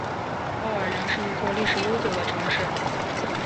奥尔良是一座历史悠久的城市。